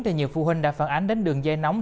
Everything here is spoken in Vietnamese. từ nhiều phụ huynh đã phản ánh đến đường dây nóng